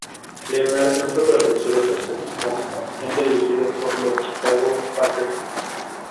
Leonard no fue protegido por su equipo, siendo elegido por los Chicago Packers.